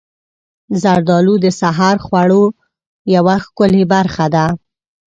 زردالو د سحر خوړو یوه ښکلې برخه ده.